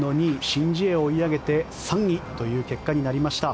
シン・ジエ、追い上げて３位という結果になりました。